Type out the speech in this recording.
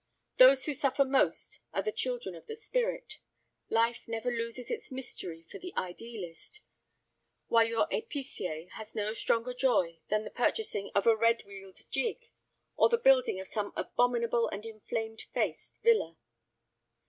Those who suffer most are the children of the spirit. Life never loses its mystery for the idealist, while your épicier has no stronger joy than the purchasing of a red wheeled gig or the building of some abominable and inflamed face villa.